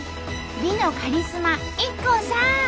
美のカリスマＩＫＫＯさん！